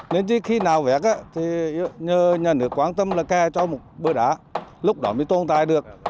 nên chỉ khi nào vét thì nhờ nhà nước quan tâm là kè cho một bờ đá lúc đó mới tồn tại được